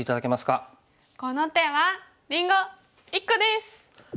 この手はりんご１個です！